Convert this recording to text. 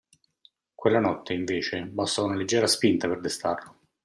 Quella notte, invece, bastò una leggera spinta per destarlo.